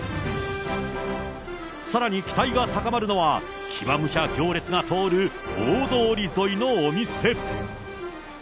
さらに期待が高まるのは、騎馬武者行列が通る大通り沿いのお店。